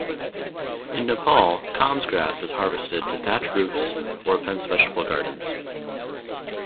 In Nepal, kans grass is harvested to thatch roofs or fence vegetable gardens.